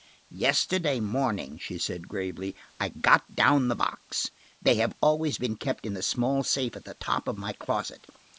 "Yesterday morning," she said gravely, "I got down the box; they have always been kept in the small safe at the top of my closet.